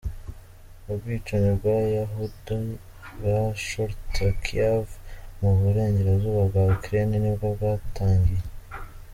Ubwicanyi bw’abayahudi bwa Chortkiav mu burengerazuba bwa Ukraine nibwo bwatangiye.